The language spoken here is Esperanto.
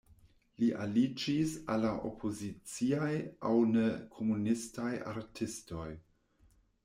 Li aliĝis al la opoziciaj aŭ ne-komunistaj artistoj.